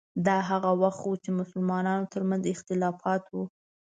دا هغه وخت و چې د مسلمانانو ترمنځ اختلافات وو.